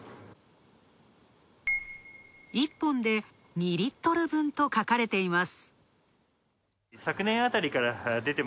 １本で２リットル分と書かれています。